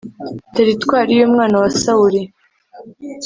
Teritwari y’umwana wa sawuri.